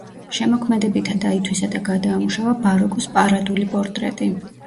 შემოქმედებითად აითვისა და გადაამუშავა ბაროკოს პარადული პორტრეტი.